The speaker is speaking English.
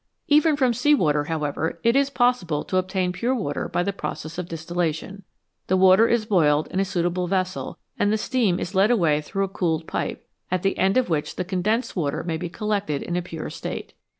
Even from sea water, however, it is possible to obtain pure water by the process of distillation. The water is boiled in a suitable vessel, and the steam is led away through a cooled pipe, at the end of which the condensed water may be collected in a pure state.